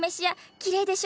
きれいでしょ？